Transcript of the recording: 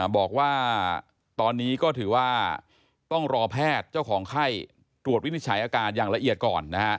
บอกว่าตอนนี้ก็ถือว่าต้องรอแพทย์เจ้าของไข้ตรวจวินิจฉัยอาการอย่างละเอียดก่อน